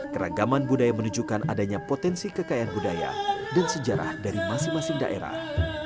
keragaman budaya menunjukkan adanya potensi kekayaan budaya dan sejarah dari masing masing daerah